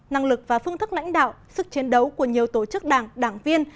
năng lực và phương thức lãnh đạo sức chiến đấu của nhiều tổ chức đảng đảng viên